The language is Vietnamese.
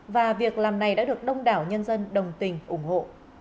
và việc làm này đã được đông đảo nhân dân đồng tình ủng hộ